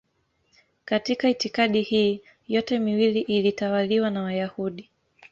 Katika itikadi hii yote miwili ilitawaliwa na Wayahudi.